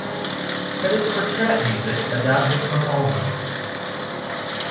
Credits for "Trap Muzik" adapted from Allmusic.